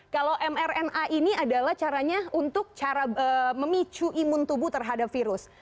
kalau mrna ini adalah caranya untuk cara memicu imun tubuh terhadap virus